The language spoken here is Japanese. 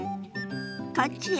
こっちよ。